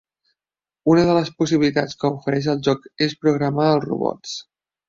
Una de les possibilitats que ofereix el joc és programar els robots.